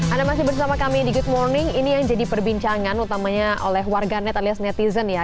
anda masih bersama kami di good morning ini yang jadi perbincangan utamanya oleh warganet alias netizen ya